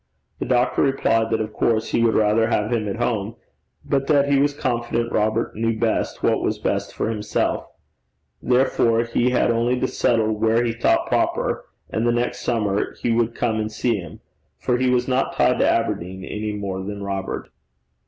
The doctor replied that of course he would rather have him at home, but that he was confident Robert knew best what was best for himself; therefore he had only to settle where he thought proper, and the next summer he would come and see him, for he was not tied to Aberdeen any more than Robert.